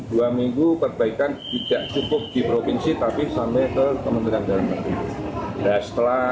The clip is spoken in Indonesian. dua minggu perbaikan tidak cukup di provinsi tapi sampai ke kementerian dalam negeri